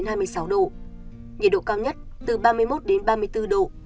nhiệt độ cao nhất từ ba mươi một đến ba mươi bốn độ